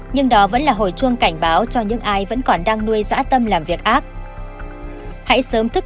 nhưng đó vẫn là hồi chuông cảnh báo cho những ai vẫn còn đang nuôi dã tâm làm việc ác hãy sớm thức